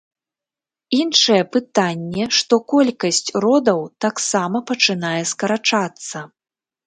Іншае пытанне, што колькасць родаў таксама пачынае скарачацца.